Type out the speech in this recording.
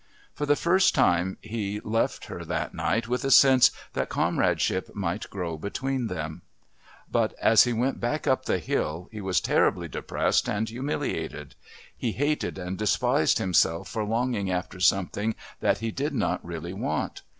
For the first time he left her that night with a sense that comradeship might grow between them. But as he went back up the hill he was terribly depressed and humiliated. He hated and despised himself for longing after something that he did not really want.